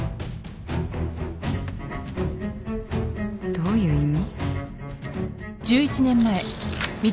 どういう意味？